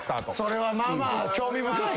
それはまあまあ興味深い。